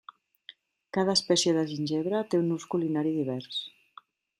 Cada espècie de gingebre té un ús culinari divers.